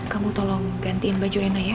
kamu tolong gantiin baju lena ya